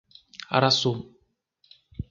Araçu